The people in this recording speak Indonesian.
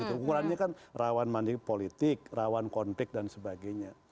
ukurannya kan rawan manipolitik rawan konflik dan sebagainya